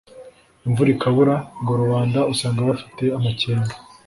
imvura ikabura, ngo rubanda usanga bafite amacyenga,